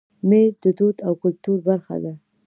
مېز د دود او کلتور برخه ده.